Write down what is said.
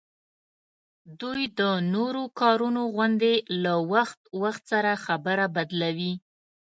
دوی د نورو کارونو غوندي له وخت وخت سره خبره بدلوي